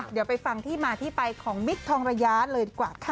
เดี๋ยวไปฟังที่มาที่ไปของมิคทองระยะเลยดีกว่าค่ะ